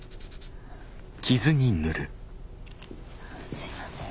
すいません。